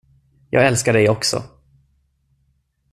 Jag älskar dig också.